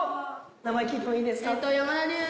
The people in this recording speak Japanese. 名前聞いてもいいですか？